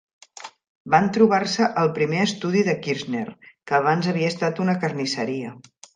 Van trobar-se al primer estudi de Kirchner, que abans havia estat una carnisseria.